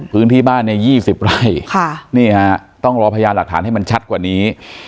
พื้นที่บ้านเนี่ย๒๐ไร่นี่ฮะต้องรอพยานหลักฐานให้มันชัดกว่านี้